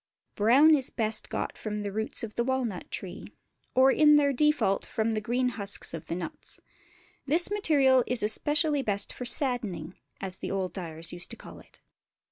Brown is best got from the roots of the walnut tree, or in their default from the green husks of the nuts. This material is especially best for "saddening," as the old dyers used to call it.